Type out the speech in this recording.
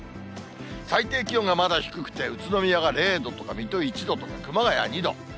最低気温がまだ低くて、宇都宮が０度とか水戸１度とか、熊谷２度。